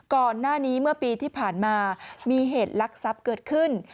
ก่อนหน้านี้เมื่อปีที่ผ่านมามีเหตุลักษัพเกิดขึ้น